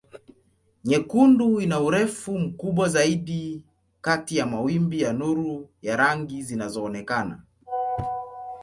Nyekundu ina urefu mkubwa zaidi kati ya mawimbi ya nuru ya rangi zinazoonekana.